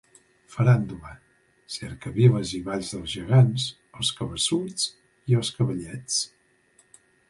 Faràndula: cercaviles i balls dels Gegants, els Cabeçuts i els Cavallets.